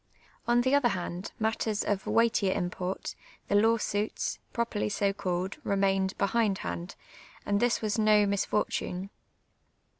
On the other hand, matters of weightier im])ort, the law suits, pro perly so called, ri'mained behindhand, and this was no mis fortune.